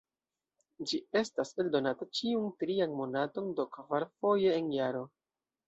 Ĝi estas eldonata ĉiun trian monaton, do kvarfoje en jaro.